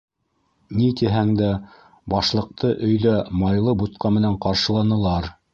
Ни тиһәң дә, Башлыҡты өйҙә майлы бутҡа менән ҡаршыланылар.